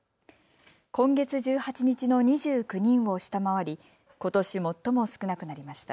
今月１８日の２９人を下回りことし最も少なくなりました。